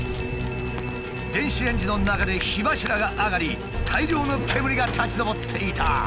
電子レンジの中で火柱が上がり大量の煙が立ち上っていた。